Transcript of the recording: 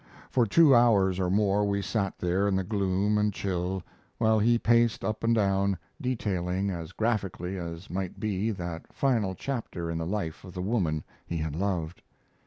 For two hours or more we sat there in the gloom and chill, while he paced up and down, detailing as graphically as might be that final chapter in the life of the woman he had loved.